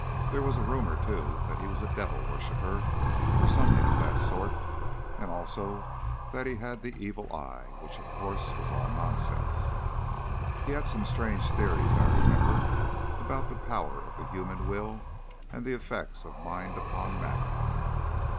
There was a rumour, too, that he was a devil worshipper, or something of that sort, and also that he had the evil eye, which, of course, was all nonsense. He had some strange theories, I remember, about the power of the human will and the effects of mind upon matter.